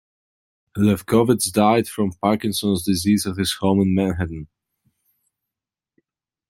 Lefkowitz died from Parkinson's disease at his home in Manhattan.